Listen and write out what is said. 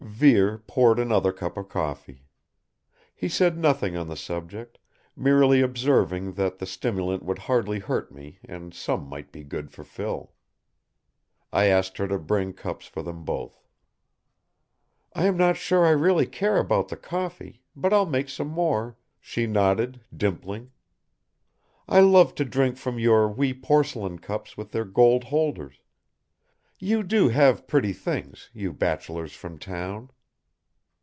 Vere poured another cup of coffee. He said nothing on the subject, merely observing that the stimulant would hardly hurt me and some might be good for Phil. I asked her to bring cups for them both. "I am not sure I really care about the coffee, but I'll make some more," she nodded, dimpling. "I love to drink from your wee porcelain cups with their gold holders. You do have pretty things, you bachelors from town."